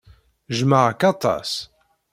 Jjmeɣ-k aṭas.